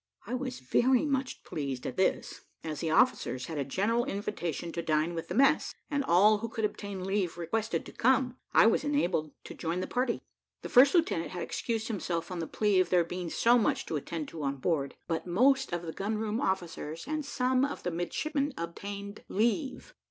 I was very much pleased at this, as the officers had a general invitation to dine with the mess, and all who could obtain leave being requested to come, I was enabled to join the party. The first lieutenant had excused himself on the plea of there being so much to attend to on board; but most of the gun room officers and some of the midshipmen obtained leave.